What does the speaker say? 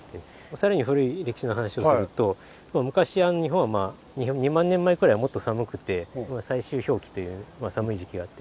さらに古い歴史の話をすると昔日本は２万年前くらいはもっと寒くて最終氷期という寒い時期があって。